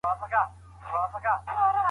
که امکانات نه وي اړین معلومات نه ترلاسه کيږي.